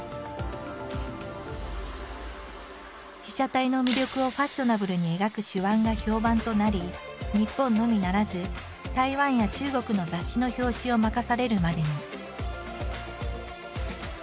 被写体の魅力をファッショナブルに描く手腕が評判となり日本のみならず台湾や中国の雑誌の表紙を任されるまでに。